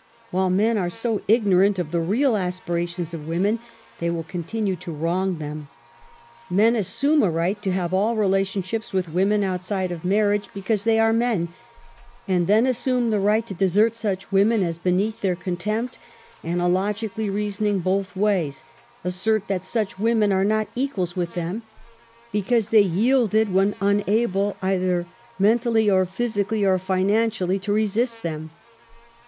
While men are so ignorant of the real aspirations of women they will continue to wrong them. Men assume a right to have all relationships with women outside of marriage because they are inen^ and then assume the right to desert such women as beneath their contempt, and illogically reasoning both ways, assert that such women were not equals with them, because they yielded when unable either mentally or physically or financially to resist them..